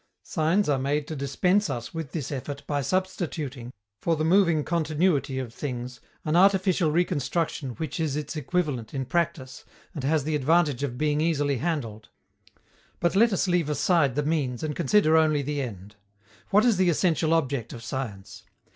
Signs are made to dispense us with this effort by substituting, for the moving continuity of things, an artificial reconstruction which is its equivalent in practice and has the advantage of being easily handled. But let us leave aside the means and consider only the end. What is the essential object of science?